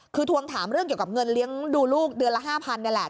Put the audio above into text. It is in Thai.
คือทวงถามเรื่องเกี่ยวกับเงินเลี้ยงดูลูกเดือนละ๕๐๐นี่แหละ